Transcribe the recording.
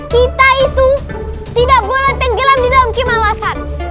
kita itu tidak boleh tenggelam di dalam kemah lasar